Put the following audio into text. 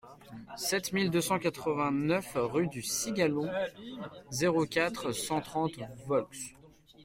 sept mille deux cent quatre-vingt-neuf rue du Cigaloun, zéro quatre, cent trente Volx